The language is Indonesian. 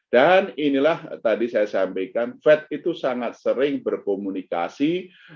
dan inilah tadi saya sampaikan fed itu sangat sering berkomunikasi